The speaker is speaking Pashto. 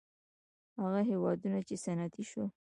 هغه هېوادونه چې صنعتي شول.